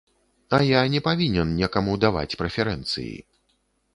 А я не павінен некаму даваць прэферэнцыі.